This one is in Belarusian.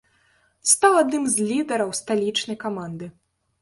Стаў адным з лідараў сталічнай каманды.